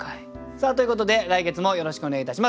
さあということで来月もよろしくお願いいたします。